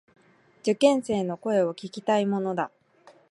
受験生の声を聞きたいものだ。